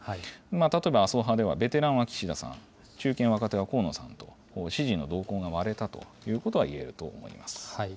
例えば、麻生派ではベテランは岸田さん、中堅・若手は河野さんと、支持の動向が割れたということがいえると思います。